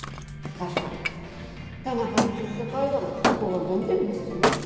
確かに田中の出世街道もここが原点ですしね。